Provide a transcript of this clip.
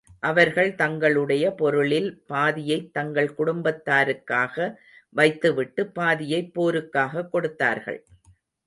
அவர்கள் தங்களுடைய பொருளில் பாதியைத் தங்கள் குடும்பத்தாருக்காக வைத்துவிட்டு, பாதியைப் போருக்காகக் கொடுத்தார்கள்.